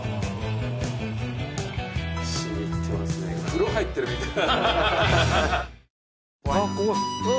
風呂入ってるみたい。